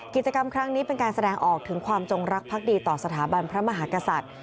กิจกรรมครั้งนี้เป็นการแสดงออกถึงความจงรักภักดีต่อสถาบันพระมหากษัตริย์